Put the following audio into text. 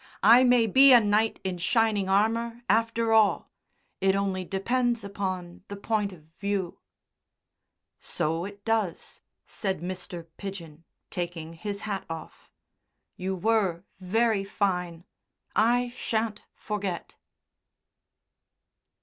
I may be a knight in shining armour after all. It only depends upon the point of view." "So it does," said Mr. Pidgen, taking his hat off, "you were very fine, I shan't forget."